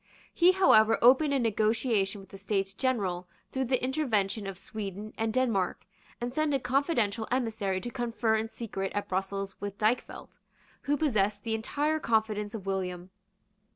He however opened a negotiation with the States General through the intervention of Sweden and Denmark, and sent a confidential emissary to confer in secret at Brussels with Dykvelt, who possessed the entire confidence of William.